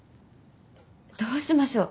どうしましょう？